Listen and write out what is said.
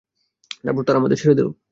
তারপর তারা আমাদের ছেড়ে দিল।